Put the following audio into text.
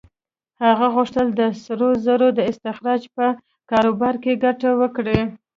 هغه غوښتل د سرو زرو د استخراج په کاروبار کې ګټه وکړي.